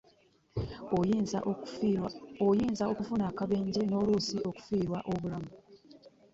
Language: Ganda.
Oyinza okufuna akabenje n'oluusi okufiirwa obulamu.